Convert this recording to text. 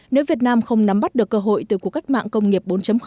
nếu việt nam không nắm bắt được cơ hội từ cuộc cách mạng công nghiệp bốn